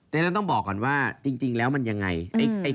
ฉะนั้นต้องบอกก่อนว่าจริงแล้วมันยังไง